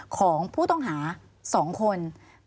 ของผู้ต้องหา๒คน